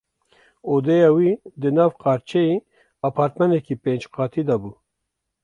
Odeya wî di nav qarçeyê apartmaneke pênc qatî de bû.